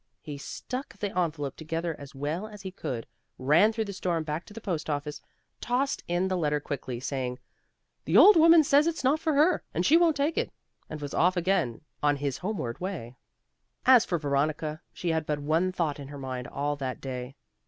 He stuck the envelope together as well as he could, ran through the storm back to the post office, tossed in the letter quickly, saying, "The old woman says it's not for her, and she won't take it," and was off again on his homeward way. As for Veronica, she had but one thought in her mind all that day.